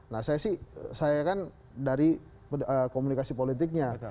nah saya sih saya kan dari komunikasi politiknya